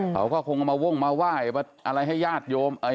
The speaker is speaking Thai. เขาก็คงเอามาว่ายอะไรให้ญาติโยม